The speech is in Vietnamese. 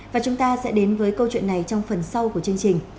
và chúng ta sẽ đến với câu chuyện này trong phần sau của chương trình